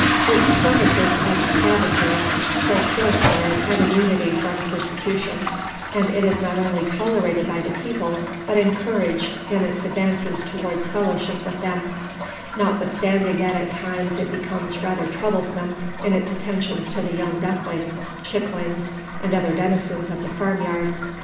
Its services as a "scavenger" procure for it an immunity from persecution; and it is not only tolerated by the people, but encouraged, in its advances towards fellowship with them; notwithstanding that at times it becomes rather troublesome in its attentions to the young ducklings, chicklings, and other denizens of the farmyard.